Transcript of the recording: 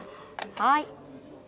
はい。